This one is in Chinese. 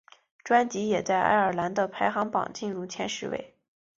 专辑也在爱尔兰的排行榜进入前十位。